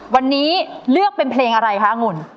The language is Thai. วันนี้เลือกเป็นเพลงอะไรคะงุ่น